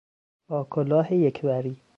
با کلاه یک وری